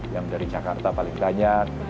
yang dari jakarta paling banyak